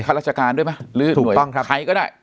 มีค่ารัชการด้วยไหมหรือใครก็ได้